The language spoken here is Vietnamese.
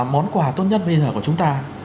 món quà tốt nhất bây giờ của chúng ta